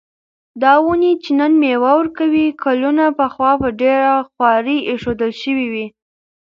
دا ونې چې نن مېوه ورکوي، کلونه پخوا په ډېره خواري ایښودل شوې وې.